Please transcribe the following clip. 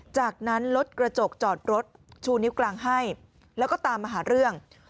จากนั้นรถกระจกจอดรถชูนิ้วกลางให้แล้วก็ตามมาหาเรื่อง